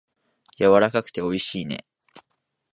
やわらかくておいしいね。